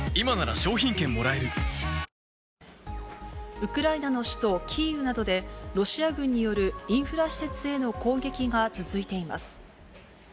ウクライナの首都キーウなどで、ロシア軍によるインフラ施設への攻撃が続いています。